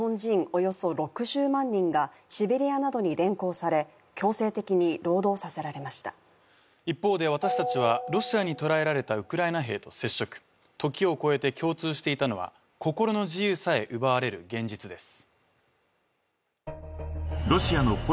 およそ６０万人がシベリアなどに連行され強制的に労働させられました一方で私たちはロシアに捕らえられたウクライナ兵と接触時を超えて共通していたのは心の自由さえ奪われる現実です